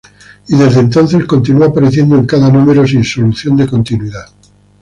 Y desde entonces continúa apareciendo en cada número, sin solución de continuidad.